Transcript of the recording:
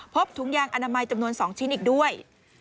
ถุงยางอนามัยจำนวน๒ชิ้นอีกด้วย